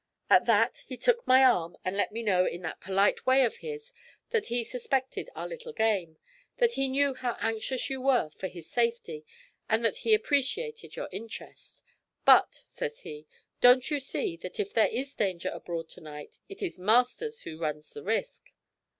At that he took my arm and let me know in that polite way of his that he suspected our little game; that he knew how anxious you were for his safety, and that he appreciated your interest. "But," says he, "don't you see that if there is danger abroad to night, it is Masters who runs the risk?"